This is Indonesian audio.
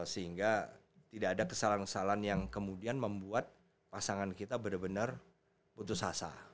sehingga tidak ada kesalahan kesalahan yang kemudian membuat pasangan kita benar benar putus asa